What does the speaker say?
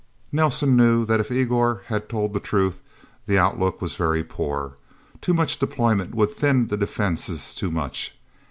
Nelsen knew that if Igor had told the truth, the outlook was very poor. Too much deployment would thin the defenses too much.